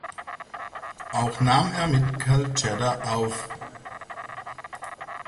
Auch nahm er mit Cal Tjader auf.